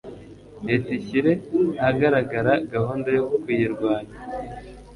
Leta ishyire ahagaragara gahunda yo kuyirwanya